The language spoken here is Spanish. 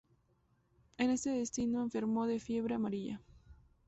En este destino enfermó de fiebre amarilla.